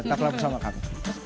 tepuk tangan bersama kami